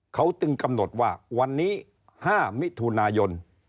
เขาจึงกำหนดว่าวันนี้๕มิถุนายน